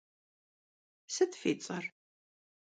Sıt fi ts'er?